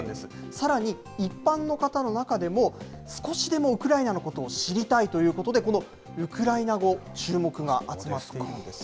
さらに一般の方の中でも、少しでもウクライナのことを知りたいということで、このウクライナ語、注目が集まっているんです。